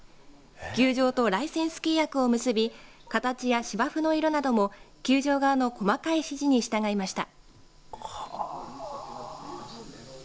球場とライセンス契約を結び形や芝生の色なども球場側の細かい指示に従いました。